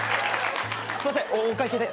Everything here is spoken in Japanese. すいませんお会計で。